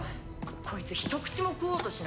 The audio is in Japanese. こいつひと口も食おうとしない。